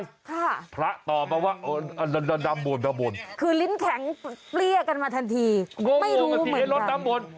ค่ะพระตอบมาว่าน้ำบ่นคือลิ้นแข็งเปรี้ยกกันมาทันทีไม่รู้เหมือนกัน